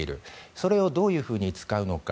それをどういうふうに使うのか。